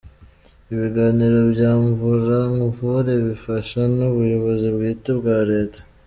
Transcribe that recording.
Ibiganiro bya Mvura Nkuvure bifasha n’ubuyobozi bw’ite bwa Leta.